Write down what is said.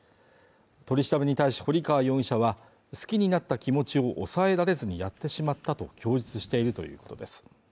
取り調べに対し堀川容疑者は好きになった気持ちを抑えられずにやってしまったと供述しているということです